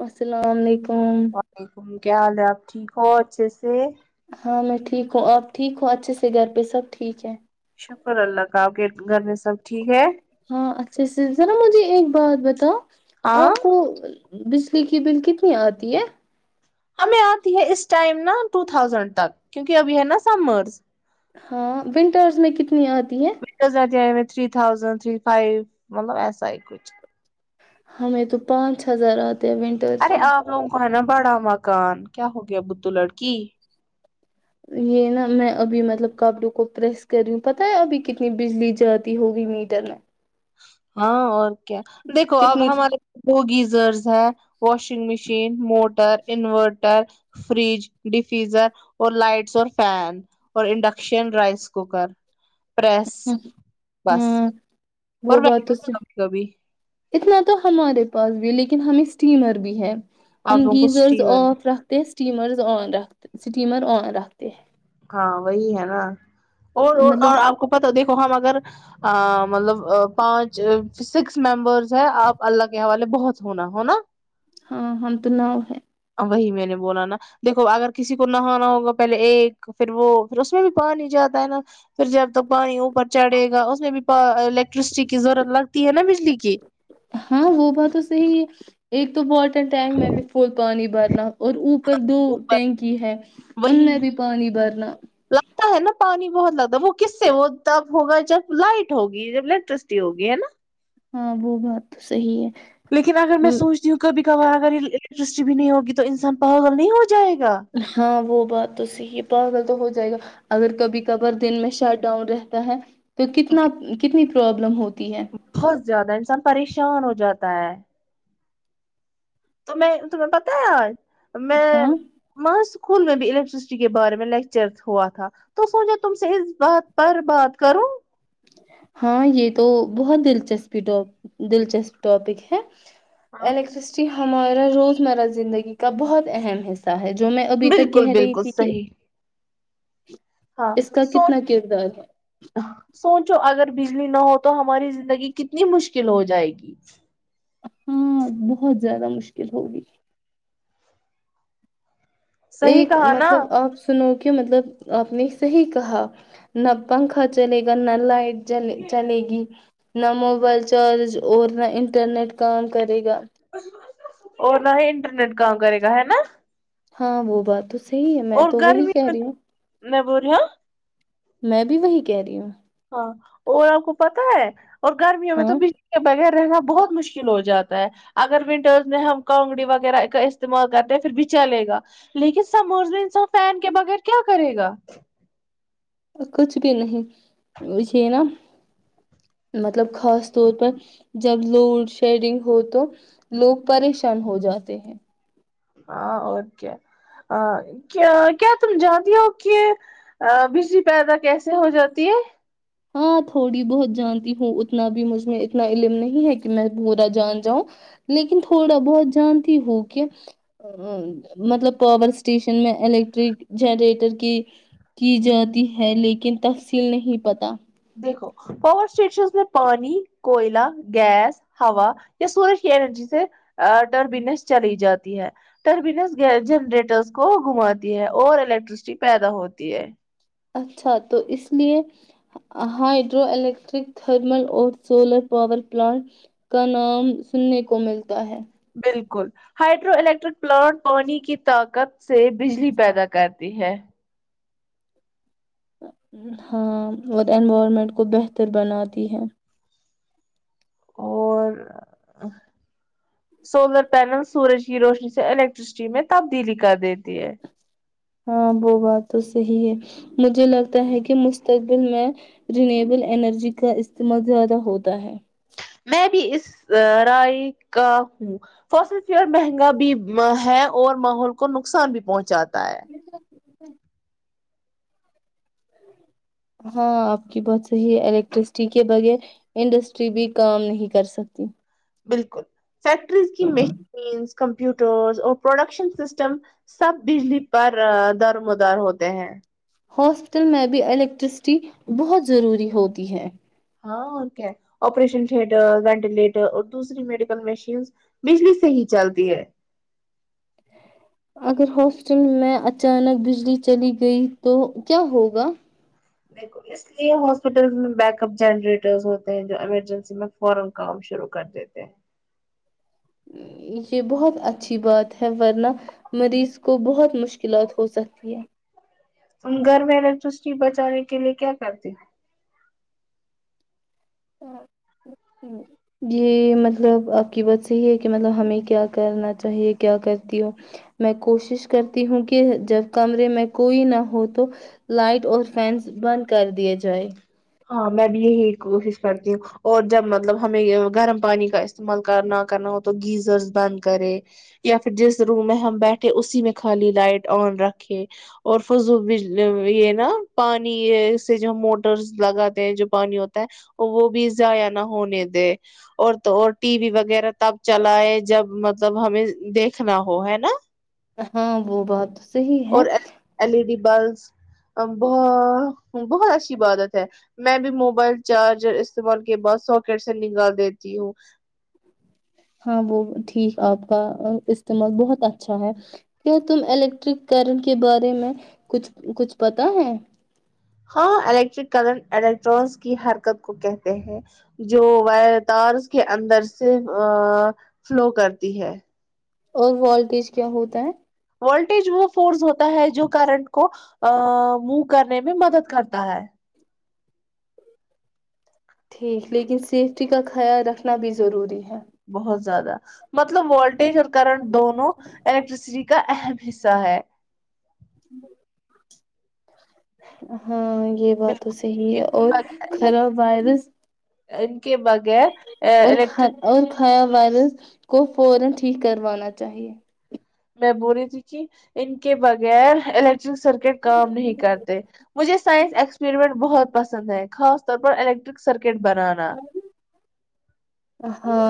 السلام علیکم وعلیکم ال کیا حال ہے آپ ٹھیک ہو اچھے سے ہاں میں ٹھیک ہوں اپٹیک ہوں اچھے سے گھر پہ سب ٹھیک ہے شکر اللہ کا آپ کے گھر میں سب ٹھیک ہے ہاں اچھا سے ذرا مجھے ایک بات بتاؤ آ ہاں کو بجلی کی بل کتنی آتی ہے ہمیں آتی ہے اس ٹائم نا ٹو تھاؤزینڈ تک کیونکہ ابھی ہے نا سمرز ہاں ونٹرس میں کتنی آ ت میں تھری تھاؤزینڈ تھری فائیو مطلب ایسا ہی کچھ ہمیں تو پانچ ہزار آتا تو ونٹرس ارے میں آپ لوگوں کو ہے نا بڑا مکان کیا ہو گیا بدھو لڑکی یہ نا میں ابھی مطلب کبڑوں کو پریس کر رہی ہوں پتا ہے ابھی کتنی بجلی جاتی ہوگی میٹر میں ہاں اور کیا دیکھو اب کتنی ہمارے بوگیز زرز ہے واشنگ مشین مو ر انورٹر فریج ڈیفیزر اور لائٹس اور فین اور انڈکشن رائس کوکر پس بس ہاں اور وہ بات تو صحیح کبھی اتنا تو ہمارے پاس بھی ہے لیکن ہمیں اسٹیمر بھی ہے آپ ہم لوگوں کو گیزرز اسٹیمر آف رکھتے اسٹیمرز آ رکھ اسٹیمر آن رکھتے ہاں وہی ہے نا اور ہیں مطلب اور آپ کو پتا دیکھو ہم اگر مطلب پانچ سکس ممبرس ہے آپ اللہ کے حوالے بہت ہونا ہو نا ہاں ہم تو نہؤ ہے وہی میں نے بولا نا دیکو اگر کسی کو نہانا ہوگا پہلے ایک پھر وہھر اس میں بھی پانی جاتا ہے نا پھر جب توک پانی اوپر چڑھے گا اس میں بھی ٹرسٹی کی ضرورت لگتی ہے نا بجلی کی ہاں وہ بات تو صحیح ہے ایک تو بہ ٹینک میں بھی فل پانی بھرنا اور اوپر دو اوپر ٹینکی ہے ان میں بھی پانی بھرنا تا ہے نا پانی بہت لگتا ہے وہ کس سے وہ تب ہوگا جب لائٹ ہوگی جب الیکٹرسٹی ہوگی ہے نا ہاں وہ بات تو صحی ہے لیکن اگر میں سوچتی ہوں کبھی کبھار اگر یہ سرشٹی بھی نہیں ہوگی تو انسان پہوگل نہیں ہوگ ہاں وہ بات تو صی پاگل تو ہو جائے گا اگر کبھی کبھار دن میں شٹ ڈاؤن رہتا ہے تو کتنا کتنی پروبلم ہو ہے بہت زیادہ انسان پریشان ہو جاتا ہے تم تمہیں پتا آج میں ہاں مک اسکول میں بھی الیکٹرسٹی کے بارے میں لیکچر ہوا تھا تو سوچا تم سے اس بات پر بات کرو ہاں یہ تو بہت دلچسپی ٹپ دلچسپ ٹاپک ہے ہاں الیکٹرسٹی ہمارا روز مرہ زندگی کا بہت اہم حصہ ہے جو جو میں ابھی تک بالکل کہہ رہی بالکل تھی کہ صحیح ہاں اس کا سو کتنا کردار ہے سوچو اگر بجلی نہ ہو تو ہماری زندگی کتنی مشکل ہو جائے گی ہاں بہت زیادہ مشکل ہوگی صحیح ایک کہا نا مطلب آپ سنو کہ مطلب آپ نے صحیح کہا نہ پنکھا چلے گا نہ لائٹ چلے چلے گی نہ موبائل چارج اور نہ انٹرنیٹ کام کرے گا اچ اور نہ ہی ٹ نٹ کام کرے گا ہے نا ہاں وہ بات تو صحی ہے میں تو وہی کہہ رہی ہوں ن ب رہ ہ میں بھی وہی کہہ رہی ہوں ہاں ا آ کو پتا ہے اور گرمی میں تو ہاں بجلی کے بغیر رہنا بہت مشکل ہو جاتا ہے اگر ونٹرز میں ہم کانگڑی وغیرہ کا استعمال کرتے ہیں پھر بھی چلے گا لیکن سمورے انسان فین کے بغیر کیا کرے گا کچھ بھی نہیں اجے نا مطلب خاص طور پر جب لوڈ شیڈنگ ہو تو لوگ پریشان ہو جاتے ہیں ہاں او کیا کیا کیا تم جانتی ہو کہ بجلی پیدا کیسے ہو جاتی ہے ہاں تھوڑی بہت جانتی ہوں اتنا بھی مجھ میں اتنا علم نہیں ہے کہ میں بورا جان جاؤں لیکن تھوڑا بہت جانتی ہوں کہ مطلب پاور اسٹیشن میں الیکٹرک جنریٹر کی کی جاتی ہے لیکن تفصیل نہیں پتا دیکھو پاور اسٹیشن میں پانی کوئلہ گیس ہوا یا سورج کی انرجی سے ٹربینس چلی جاتی ہے ٹربینس جنریٹرس کو گھماتی ہے اور الیکٹرسٹی پیدا ہوتی ہے اچھا تو اس لیے ہائڈرو الیکٹرک تھرمل اور سولر پاور پلانٹ کا نام سننے کو ملتا ہے بالکل ہائڈرو الیکٹرک پلانٹ پانی کی طاقت سے بجلی پیدا کرتی ہے ہاں اور انوائرمنٹ کو بہتر بناتی ہے اور سولر پینل سورج کی روشنی سے الیکٹرسٹی میں تبدیلی کر دیتی ہے ہاں وہ بات تو صحی ہے مجھے لگتا ہے کہ مستقبل میں رینیبل انرجی کا استعمال زیادہ ہوتا ہے میں بھی اس رائے کا ہوں فصل فیر مہنگا بھی ہے اور ماحول کو نقصان بھی پہنچاتا تا ہے ہاں آپ کی بہت صحیح ہے الیکٹرسٹی کے بغیر انڈسٹری بھی کام نہیں کر سکتی بالکل فیکٹریز کی مشینز کمپیوٹرز اور پروڈکشن سسٹم سب بجلی پر درمدار ہوتے ہیں ہاسپٹل میں بھی الیکٹرسٹی بہت ضروری ہوتی ہے ہاں کیا آپریشن تٹر وینٹیلیٹر اور دوسری میڈیکل مشینس بجلی سے ہی چلتی ہے اگر ہاسپٹل میں اچانک بجلی چلی گئی تو کیا ہوگا بالکل اس لیے ہاسپٹل بیک اپ جنریٹرز ہوتے ہیں جو ایمرجنسی میں فورا کام شروع کر دیتے ہیں یہ بہت اچھی بات ہے ورنہ مریض کو بہت مشکلات ہو سکتی ہے ہم گھر میں ال تستٹی بچانے کے لیے کیا کرتے ہیں یہ مطلب آپ کی بات صحیح ہے کہ مطلب ہمیں کیا کرنا چاہیے کیا کرتی ہو میں کوشش کرتی ہوں کہ جب کمرے میں کوئی نہ ہو تو لائٹ اور فینس بند کر دیا جائے ہاں میں بھی یہی کوشش کرتی ہوں اور جب مطلب ہمیں گرم پانی کا استعمال نہ کرنا ہو تو گیزر بند کرے یا پھر جس روم میں ہم بیٹھے اسی میں خالی لائٹ آن رکھے اور فضوج یہ نا پانی سے جو موٹرس لگاتے ہیں جو پانی ہوتا ہے وہ بھی ضائع نہ ہونے دے اور اور ٹی وی وغیرہ تب چلائے جب مطلب ہمیں دیکھنا ہو ہے نا ہاں وہ بات صحیح ہے بل بت بہت اچھی عادت ہے میں بھی موبائل چارجر استعمال کے بعد ساکٹ سے نکال دیتی ہوں ہاں وہ ٹھیک آپ کا استعمال بہت اچھا ہے کیا تم الیکٹرک کرنٹ کے بارے میں کچھ کچھ پتا ہے ہاں الیکٹرک کرنٹ الیکٹرانس کی حرکت کو کہتے ہیں جو وائر تار کے اندر سے فلو کرتی ہے اور والٹیج کیا ہوتا ہے وولٹیج وہ فورس ہوتا ہے جو کرنٹ کو موو کرنے میں مدد کرتا ہے ٹھیک لیکن سیفٹی کا خیال رکھنا بھی ضروری ہے بہت زیادہ مطلب وولٹیج اور کرنٹ دونوں الیکٹرسٹی کا اہم حصہ ہے ا [inaudible] ہاں یہ بات تو صحی ہے اور بالکل خراب وائرس اننک با الیکٹرک کل کو فورا ٹھیک کروانا چاہیے میں بو رہی تھی کہ ان کے بغیر ال سرکٹ کام نہیں کرتے مجھے سائنس ایکسپریمنٹ بہت پسند ہے خاص طور پر الیکٹرک سرک ہاں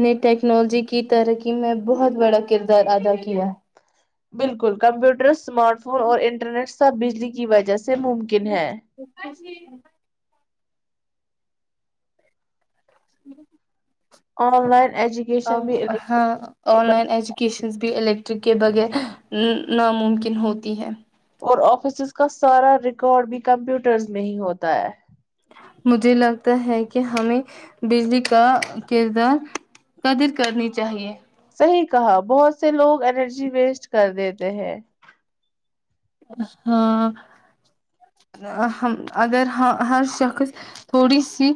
نے ٹیکنالوجی کی ترقی میں بہت بڑا کردار ادا کیا بالکل کمپیوٹر اسمارٹ فون اور انٹرنیٹ سب بجلی کی وجہ سے سے ممکن ہے جین جی آن لائن ایجوکیشن بھی ہاں آن لائن ایجوکیشنس بھی الیکٹرک کے بغیر ناممکن ہوتی ہیں اور آفسز کا سارا ریکارڈ بھی کمپیوٹرز میں ہی ہوتا ہے مجھے لگتا ہے کہ ہمیں بجلی کا کردار قدر کرنی چاہیے صحیح کہا بہت سے لوگ انرجی ویسٹ کر دییتے ہیں ہاں ہم اگر ہر شخص تھوڑی سی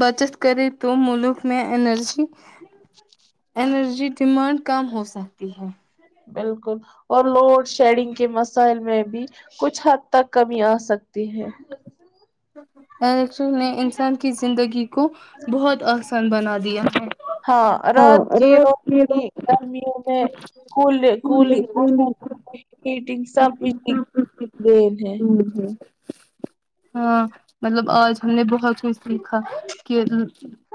بچت کرے تو ملک میں انرجی انرجی ڈیمانڈ کم ہو سکتی ہے بالکل اور لوڈ شیڈنگ کے مسائل میں بھی کچھ حد تک کمی آ سکتی ہے الیکش نے انسان کی زندگی کو بہت آسان بنا دیا ہے ہاں رات کی روشنی گرمیوں میںل کولنگن ہیٹگ سب دین ہے ہے ہاں مطلب آج ہم نے بہت کچھ سیکھا کہ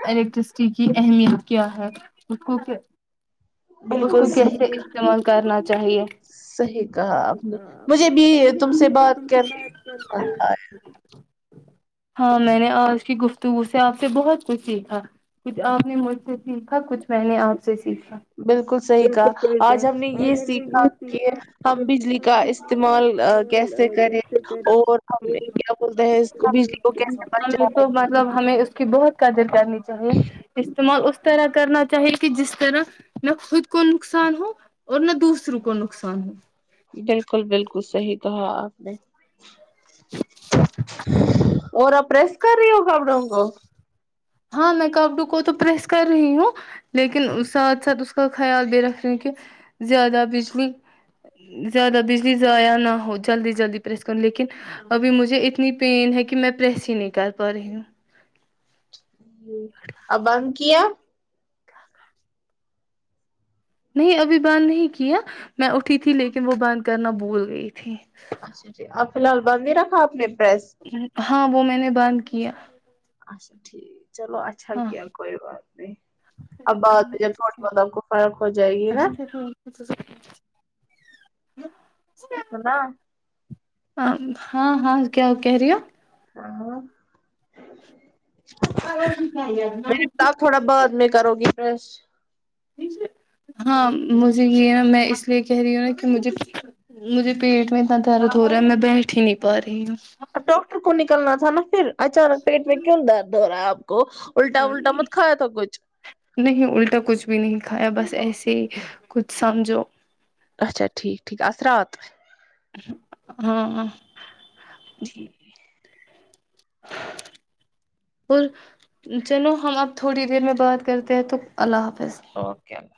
الیکٹرسٹی کی اہمیت کیا ہے اس کو اس بالکل کو کیسے صحیح استعمال کرنا چاہیے صحیح کہا آپ نے مجھے بھی تم سے بات کر کے مزہ آیا ہاں میں نے آج کی گفتگو سے آپ سے بہت کچھ سیکھا کچھ آپ نے مجھ سے سیکھا کچھ میں نے آپ سے سیکھا صحیح کہا بالکل صحیح ہے آج ہم نے آج ہم نے یہ سیکھا کہ سیکھا کہ ہم کا بجلی کا استعمال آ، کیسے استعمال کریں کیسے اور ہم کریں کیا بولتے ہیں اس کو بجلی کو کیسے ہمیں بچا تو مطلب ہمیں اس کی بہت قدر کرنی چاہیے استعمال طرح کرنا چاہیے کہ جس طرح نہ خود کو نقصان ہو اور نہ دوسروں کو نقصان ہو بالکل بالکل صحیح تو ہے آپ نے [inaudible] اور پرریس کر رہ ہوگ ابڑوں گ ہاں میں کپڈو کو تو پریس کر رہی ہوں لیکن ساتھ ساتھ اس کا خیال بھی رکھ رہی ہوں کہ زیادہ بجلی زیادہ بجلی ضائع نہ ہو جلدی جلدی پریس کروں لیکن ابھی مجھے اتنی پین ہے کہ میں پریس ہی نہیں کر پا رہی ہوں ج ابند [unintelligible] کیا نہیں ابھی بند نہیں کیا میں اٹھی تھی لیکن وہ بند کرنا بھول گئی تھی اچھا جھ اب فی الحال بند نہیں رکھا آپ نے پریس ہاں وہ میں نے باند کیا [unintelligible] [inaudible] اچھا ٹھیک چلو اچھا ہاں کیا کوئی بات نہیں اب بعد ب جے تھوڑی بہت آپ کو فرق ہو جائے گی نا ہی [unintelligible] ہنا ہاں ہاں کیا کہہ رہی ہو ہ [unintelligible] پ شک انا [unintelligible] آپ تھوڑا بعد میں کرو گی فریش ہاں مجھے یہ ہے میں اس لیے کہہ رہی ہوں نا کہ مجھے مجھے پیٹ میں اتنا درد ہو رہا ہے میں بیٹھ ہی نہیں پا رہی ہوں اب ڈاکٹر کو نکلنا تھا نا پھر اچانک پیٹ میں کیوں درد ہو رہا ہے اب ہ نہیں الٹا کچھ بھی نہیں دکھایا بس ایسے ہی کچھ سمجھو اچھا ٹھیک ٹھیک اثرات ہاں جٹھیک اور چلو ہم اب تھوڑی دیر میں بات کرتے ہیں تو اللہ حافظ اوکے اللہلہ